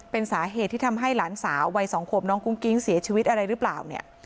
เป็นสาเหตุที่ทำให้หลานสาววัย๒ขวบน้องกุ้งกิ๊งเสียชีวิตอะไรหรือเปล่าเนี่ย